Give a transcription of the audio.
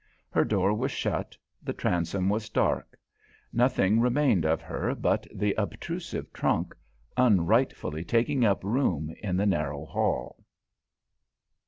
Her door was shut, the transom was dark; nothing remained of her but the obtrusive trunk, unrightfully taking up room in the narrow hall.